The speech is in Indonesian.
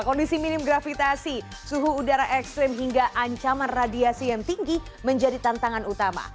kondisi minim gravitasi suhu udara ekstrim hingga ancaman radiasi yang tinggi menjadi tantangan utama